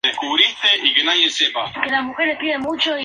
Cada programa de fondo provee de un lenguaje específico.